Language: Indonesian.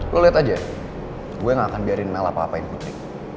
lo lihat aja gue gak akan biarin mel apa apain putri